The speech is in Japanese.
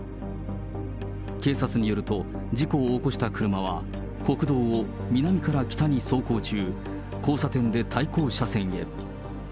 警察によると、事故を起こした車は国道を南から北に走行中、交差点で対向車線へ。